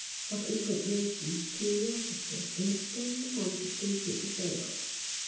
But indignation, curiosity, and a stern sense of duty prevailed.